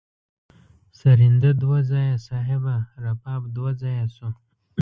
سرینده دوه ځایه صاحبه رباب دوه ځایه شو.